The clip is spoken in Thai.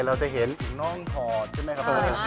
เราจะเห็นน้องถอดใช่ไหมครับผม